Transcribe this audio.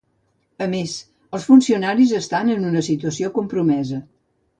A més, els funcionaris estan en una situació compromesa.